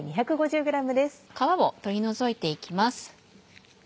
皮を取り除いて行きます。